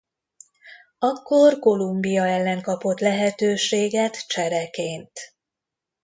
Akkor Kolumbia ellen kapott lehetőséget csereként.